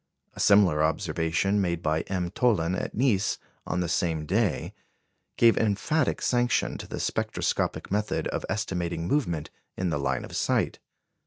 A similar observation, made by M. Thollon at Nice on the same day, gave emphatic sanction to the spectroscopic method of estimating movement in the line of sight.